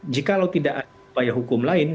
jikalau tidak ada upaya hukum lain